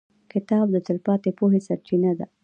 • کتاب د تلپاتې پوهې سرچینه ده.